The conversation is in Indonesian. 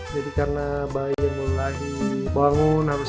jadi karena bayi yang mulai lagi bangun harus tidur dulu ya